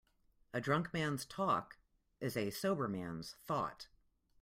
A drunk man's talk is a sober man's thought.